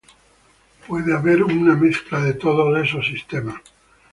Puede haber una mezcla de todos esos sistemas.